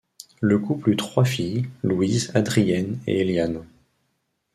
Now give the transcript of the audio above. Le couple eut trois filles, Louise, Adrienne et Éliane.